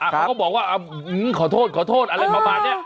เขาก็บอกว่าขอโทษขอโทษอะไรประมาณนี้